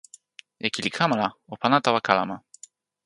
jaki li kama la, o pana tawa kalama.